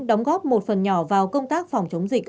đóng góp một phần nhỏ vào công tác phòng chống dịch